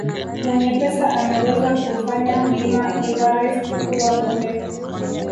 Mwenye pesa anaweza kuufanya mlima everist kuwa bonde